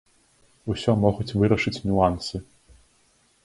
Усё могуць вырашыць нюансы.